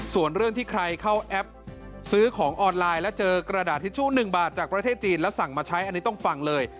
ส่วนเรื่องที่ใครเข้าแอปซื้อของออนไลน์แล้วเจอกระดาษทิชชู่๑บาทจากประเทศจีนแล้วสั่งมาใช้อันนี้ต้องฟังเลย